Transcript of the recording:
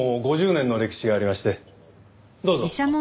どうぞ。